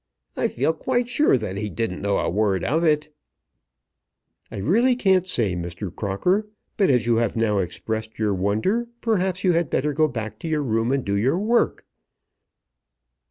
I feel quite sure that he didn't know a word of it." "I really can't say, Mr. Crocker; but as you have now expressed your wonder, perhaps you had better go back to your room and do your work."